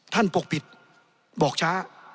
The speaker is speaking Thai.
ท่านปกปิดบอกช้า